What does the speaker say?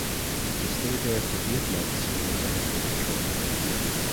He stayed there for eight months and resided in Detroit.